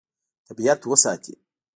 طبیعت وساتي.